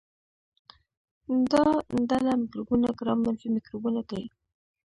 دا ډله مکروبونه ګرام منفي مکروبونه دي.